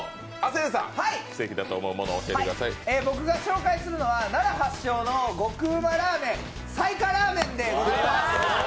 僕が紹介するのは奈良発祥の極うまラーメン、彩華ラーメンです。